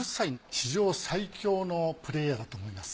史上最強のプレーヤーだと思います。